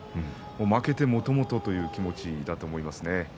負けて、もともとという気持ちだと思いますね。